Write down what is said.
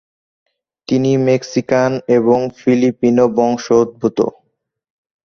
তিনি মেক্সিকান এবং ফিলিপিনো বংশোদ্ভূত।